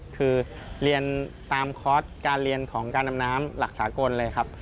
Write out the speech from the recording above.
คือเรียนตามคอร์สการเรียนของการดำน้ำหลักสากลเลยครับ